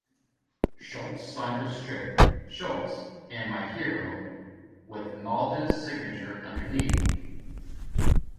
Schulz signed the strip "Schulz, and my hero..." with Mauldin's signature underneath.